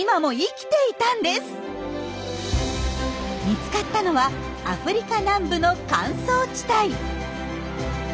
見つかったのはアフリカ南部の乾燥地帯。